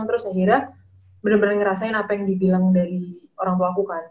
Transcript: terus akhirnya bener bener ngerasain apa yang dibilang dari orang tua aku kan